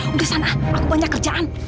udah sana aku banyak kerjaan